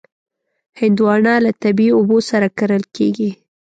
هندوانه له طبعي اوبو سره کرل کېږي.